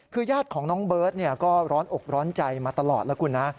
คือญาติของน้องเบิร์ตก็ร้อนอกร้อนใจมาตลอดแล้วคุณนะ